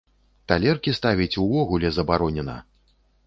Талеркі ставіць увогуле забаронена!